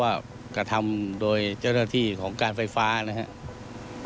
กระทำโดยเจ้าหน้าที่ของการไฟฟ้านะครับ